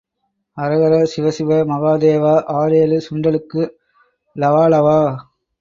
அரகர சிவசிவ மகாதேவா, ஆறேழு சுண்டலுக்கு லவாலவா.